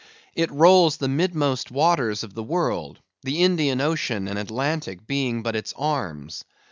It rolls the midmost waters of the world, the Indian ocean and Atlantic being but its arms.